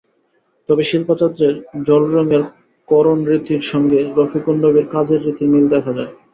তবে শিল্পাচার্যের জলরঙের করণরীতির সঙ্গে রফিকুন নবীর কাজের রীতির মিল দেখা যায়।